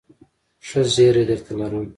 ښه زېری درته لرم ..